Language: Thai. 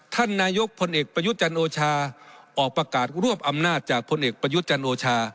ท่านนายกพลเอกประยุทธ์จันโอชาออกประกาศรวบอำนาจจากพลเอกประยุทธ์จันโอชา